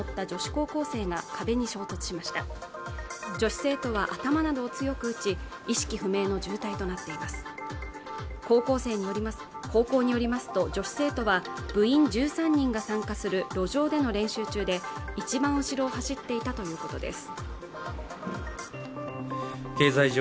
高校によりますと女子生徒は部員１３人が参加する路上での練習中で一番後ろを走っていたということです